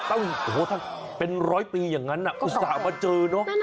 ถ้าเป็นร้อยปีอย่างนั้นอุตส่าห์มาเจอเนอะ